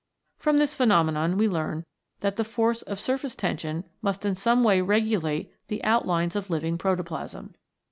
From this pheno menon we learn that the force of surface tension must in some way regulate the outlines of living protoplasm.